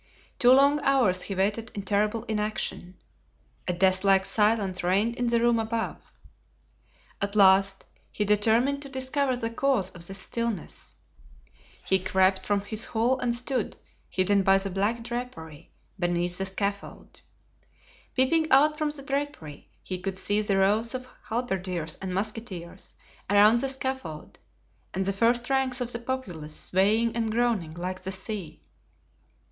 Two long hours he waited in terrible inaction. A deathlike silence reigned in the room above. At last he determined to discover the cause of this stillness. He crept from his hole and stood, hidden by the black drapery, beneath the scaffold. Peeping out from the drapery, he could see the rows of halberdiers and musketeers around the scaffold and the first ranks of the populace swaying and groaning like the sea.